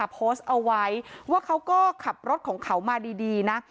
โพสต์เอาไว้ว่าเขาก็ขับรถของเขามาดีนะ